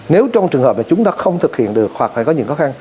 nếu trong trường hợp này chúng ta không thực hiện được hoặc là có những khó khăn